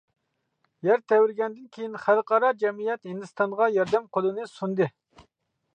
يەر تەۋرىگەندىن كېيىن، خەلقئارا جەمئىيەت ھىندىستانغا ياردەم قولىنى سۇندى.